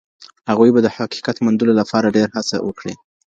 هغوی به د حقیقت موندلو لپاره ډېره هڅه وکړي.